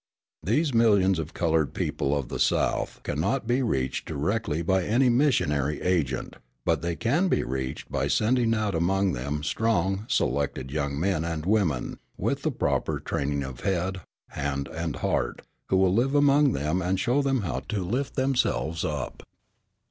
These millions of coloured people of the South cannot be reached directly by any missionary agent; but they can be reached by sending out among them strong, selected young men and women, with the proper training of head, hand, and heart, who will live among them and show them how to lift themselves up.